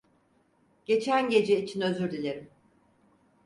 Geçen gece için özür dilerim.